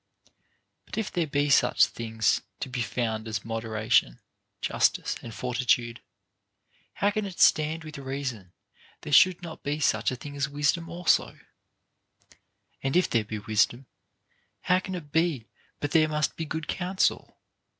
2. But if there be such things to be found as modera tion, justice, and fortitude, how can it stand with reason * From Cbaeremon, Frag. 2. 476 OF FORTUNE. there should not be such a thing as wisdom also 1 And if there be wisdom, how can it be but there must be good counsel?